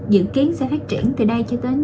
dự kiến sẽ phát triển từ đây cho đến